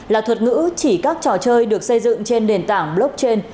là thuật ngữ chỉ các trò chơi được xây dựng trên nền tảng blockchain